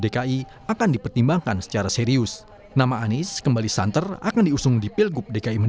dan kami pertimbangkan semua panggilan tugas itu dengan serius